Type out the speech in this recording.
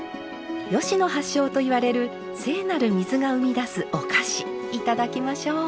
吉野発祥といわれる聖なる水が生み出すお菓子いただきましょう。